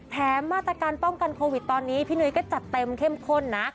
มาตรการป้องกันโควิดตอนนี้พี่นุ้ยก็จัดเต็มเข้มข้นนะ